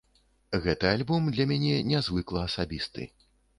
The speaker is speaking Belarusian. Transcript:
Гэты альбом для мяне нязвыкла асабісты.